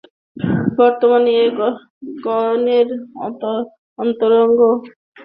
বর্তমানে এ গণের অন্তর্গত অধিকাংশ প্রজাতিই বিপদগ্রস্ত বলে বিবেচিত।